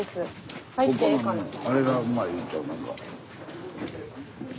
あれがうまい言うたよなんか。